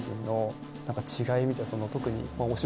特に。